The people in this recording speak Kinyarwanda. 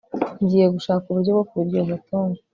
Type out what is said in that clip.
ngiye gushaka uburyo bwo kubiryoza tom